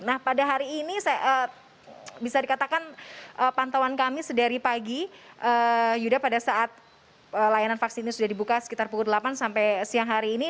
nah pada hari ini bisa dikatakan pantauan kami sedari pagi yuda pada saat layanan vaksin ini sudah dibuka sekitar pukul delapan sampai siang hari ini